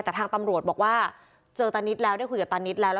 แต่ทางตำรวจบอกว่าเจอตานิดแล้วได้คุยกับตานิดแล้ว